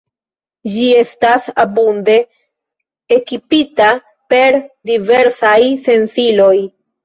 Ĝi estas abunde ekipita per diversaj sensiloj.